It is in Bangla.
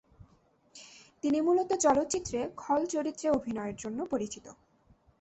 তিনি মূলত চলচ্চিত্রে খল চরিত্রে অভিনয়ের জন্য পরিচিত।